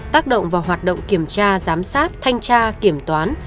tác động vào hoạt động kiểm tra giám sát thanh tra kiểm toán